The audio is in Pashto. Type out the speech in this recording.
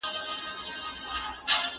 ولې په ورور خو د ورور ننګ پکار و